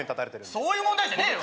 そういう問題じゃねえわ！